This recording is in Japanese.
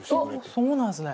そうなんですね！